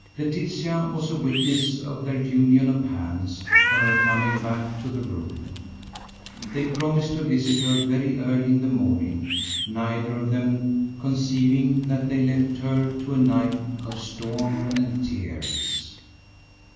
Laetitia was a witness of their union of hands on her coming back to the room. They promised to visit her very early in the morning, neither of them conceiving that they left her to a night of storm and tears.